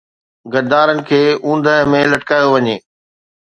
غدارن کي اوندهه ۾ لٽڪايو وڃي